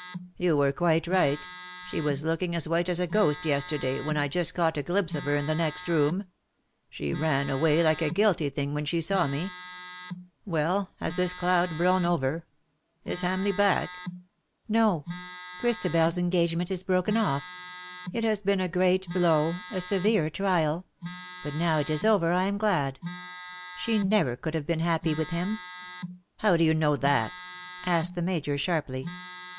^' You were quite right. She was looking as white as a ghost yesterday when , I just caught a glimpse of her in the next room. She ran away like a guilty thing when she saw me. Well, has this cloud blown over ? Is Hamleigh back T^ "No; Christabers engagement is broken off. It has been a great blow, a severe trial ; but now it is over I am glad : she never could have been happy with him/^ " How do you know that V asked the Major, sharply.